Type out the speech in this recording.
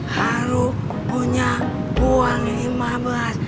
haru punya uang lima belas ribu